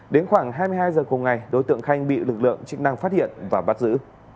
đến khoảng hai mươi hai h cùng ngày đối tượng khanh bị lực lượng chức năng phát hiện và bắt giữ